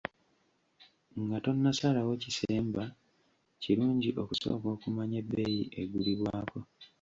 Nga tonnasalawo kisemba, kirungi okusooka okumanya ebbeeyi egulibwako.